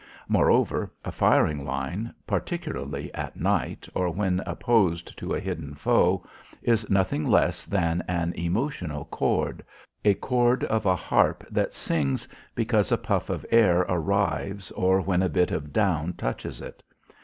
Moreover, a firing line particularly at night or when opposed to a hidden foe is nothing less than an emotional chord, a chord of a harp that sings because a puff of air arrives or when a bit of down touches it.